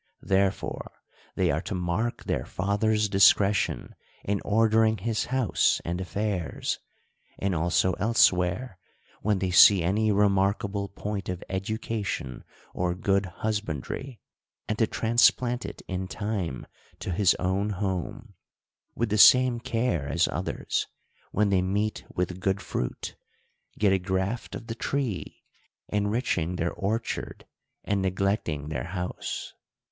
There fore they are to mark their father's discretion in order ing his house and affairs ; and also elsewhere, when they see any remarkable point of education or good husbandry, and to transplant it in time to his own home ; with the same care as others, when they meet with good fruit, get a graft of the tree, enriching their or 72 THE COUNTRY PARSON. chard, and neglecting their house.